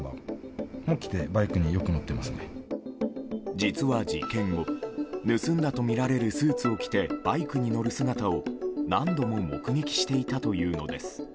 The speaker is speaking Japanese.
実は、事件後盗んだとみられるスーツを着てバイクに乗る姿を何度も目撃していたというのです。